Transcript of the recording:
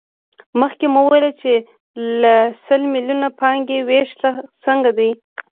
مخکې مو وویل چې له سل میلیونو پانګې وېش څنګه دی